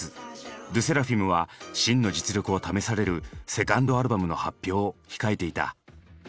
ＬＥＳＳＥＲＡＦＩＭは真の実力を試されるセカンドアルバムの発表を控えていた。